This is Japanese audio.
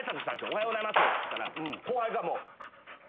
おはようございますっつったら後輩がもう。